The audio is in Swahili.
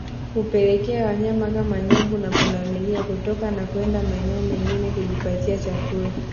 Hupelekea wanyama kama nyumbu na pundamilia kutoka na kuenda maeneo mengine kujipatia chakula